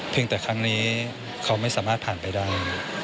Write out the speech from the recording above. แต่ครั้งนี้เขาไม่สามารถผ่านไปได้